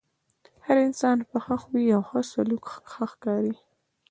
هر انسان په ښۀ خوی او ښۀ سلوک ښۀ ښکاري .